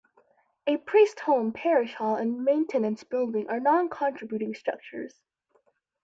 A priest's home, parish hall and maintenance building are non-contributing structures.